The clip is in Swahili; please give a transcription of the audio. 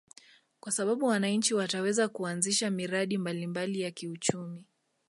Kwa sababu wananchi wataweza kuanzisha miradi mbalimbali ya kiuchumi